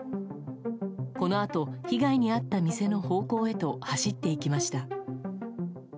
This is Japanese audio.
このあと、被害に遭った店の方向へと走っていきました。